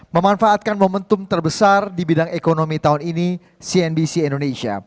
memanfaatkan momentum terbesar di bidang ekonomi tahun ini cnbc indonesia